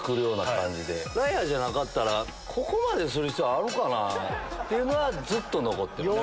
ライアーじゃなかったらここまでする必要ある？っていうのはずっと残ってます。